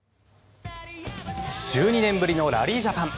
１２年ぶりのラリージャパン。